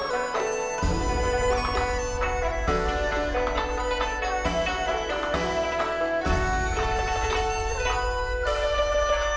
จนกว่าผมจะหมดกำลังที่ผมจะสืบสารการแสดงชอบสิงโตมังกร